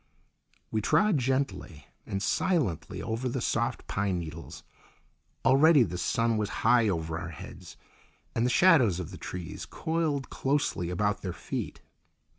We trod gently and silently over the soft pine needles. Already the sun was high over our heads, and the shadows of the trees coiled closely about their feet.